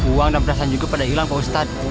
uang dan perasaan juga pada hilang pak ustadz